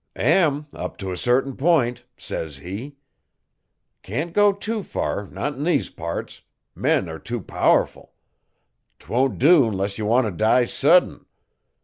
"Am up to a cert in p'int," says he. "Can't go tew fur not 'n these parts men are tew powerful. 'Twon't do 'less ye wan' to die sudden.